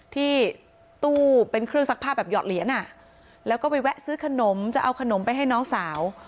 ที่ตู้เป็นเครื่องซักผ้าแบบหอดเหรียญแล้วก็ไปแวะซื้อขนมจะเอาขนมไปให้น้องสาว